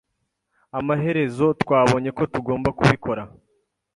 Amaherezo twabonye ko tutagomba kubikora.